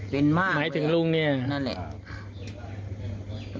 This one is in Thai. เป็นมากเลยหมายถึงลุงเนี่ยนั่นแหละ